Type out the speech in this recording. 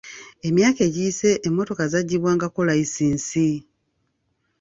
Emyaka egiyise emmotoka zaggyibwangako layisinsi .